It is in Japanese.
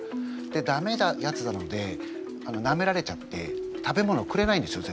でダメなやつなのでなめられちゃって食べ物をくれないんですよ